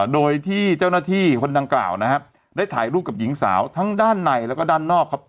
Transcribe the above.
โดยที่เจ้าหน้าที่คนดังกล่าวนะครับได้ถ่ายรูปกับหญิงสาวทั้งด้านในแล้วก็ด้านนอกครับ